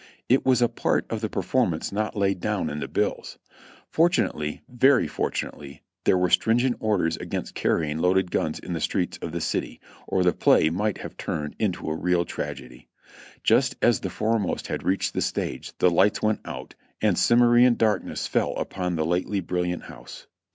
It was a part of the performance not laid down in the bills. Fortunately, very fortunately, there were stringent orders against carrying loaded guns in the streets of the city, or the play might have turned into a real tragedy. Just as the foremost had reached the stage the lights went out and Cimmerian darkness fell upon the lately brilliant house.